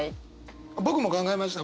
僕も考えました。